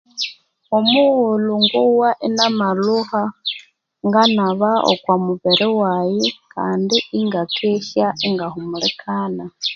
Omughulhu ngowa inamalhuha nganaba okwa mubiri waghe kandi ingakesya ingahumulikana